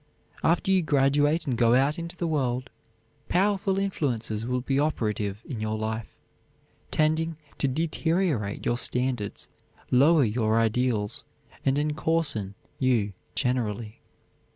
After you graduate and go out into the world, powerful influences will be operative in your life, tending to deteriorate your standards, lower your ideals, and encoarsen you generally.